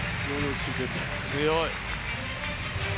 強い。